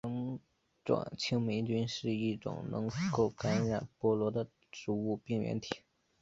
绳状青霉菌是一种能够感染菠萝的植物病原体。